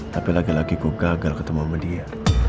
tapi lagi lagi gue gagal ketemu sama dia